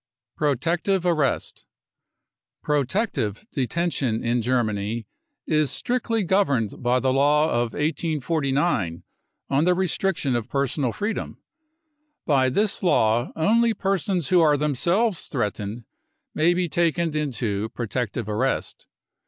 I ...' 1 " Protective arrest." Protective detention in Germany is strictly governed by the law of 1849 on the restriction of personal freedom. By this law only persons who are themselves threatened may be taken into protective arrest.